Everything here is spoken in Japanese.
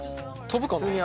飛ぶかな？